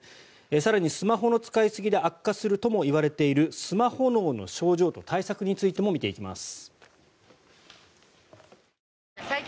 更に、スマホの使いすぎで悪化するともいわれているスマホ脳の症状と対策についても見ていきます。